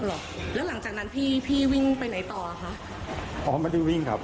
หรอกแล้วหลังจากนั้นพี่พี่วิ่งไปไหนต่ออ่ะคะอ๋อไม่ได้วิ่งครับ